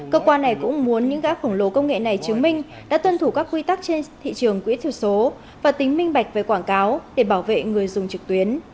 cơ quan này cũng muốn những gã khổng lồ công nghệ này chứng minh đã tuân thủ các quy tắc trên thị trường quỹ thuật số và tính minh bạch về quảng cáo để bảo vệ người dùng trực tuyến